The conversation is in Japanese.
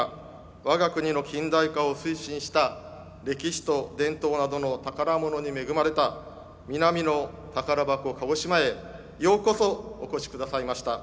我が国の近代化を推進した歴史と伝統などの宝物に恵まれた「南の宝箱鹿児島」へようこそお越しくださいました。